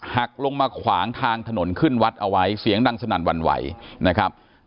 หักลงมาขวางทางถนนขึ้นวัดเอาไว้เสียงดังสนั่นหวั่นไหวนะครับ